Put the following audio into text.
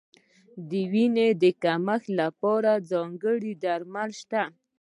د وینې کمښت لپاره ځانګړي درمل شته.